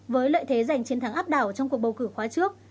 với lợi thế giành chiến thắng áp đảo trong cuộc bầu cử khóa trước